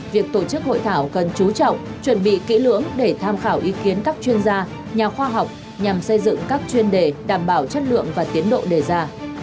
việc tổ chức hội thảo cần chú trọng chuẩn bị kỹ lưỡng để tham khảo ý kiến các chuyên gia nhà khoa học nhằm xây dựng các chuyên đề đảm bảo chất lượng và tiến độ đề ra